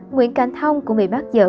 nguyễn cành thông cũng bị bắt giữ